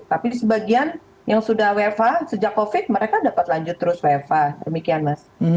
karena uefa sejak covid mereka dapat lanjut terus uefa demikian mas